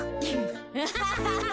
アハハハ。